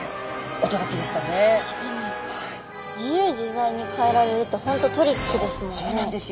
自由自在に変えられるとホントトリックですもんね。